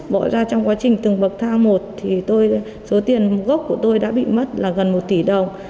bỏ ra trong quá trình từng bậc thang một thì tôi số tiền gốc của tôi đã bị mất là gần một tỷ đồng